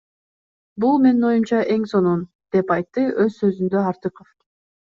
Бул менин оюмча эн сонун, — деп айтты оз созундо Артыков.